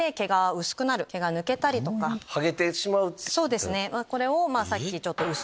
そうですね。